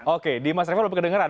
oke di mas revo lebih kedengeran